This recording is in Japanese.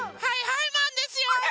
はいはいマンですよ！